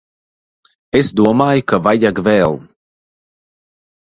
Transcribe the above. Es domāju ka vajag vēl.